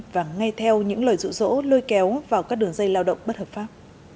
và ngay theo những lời rụ rỗ lôi kéo vào các đường dây lao động bất hợp pháp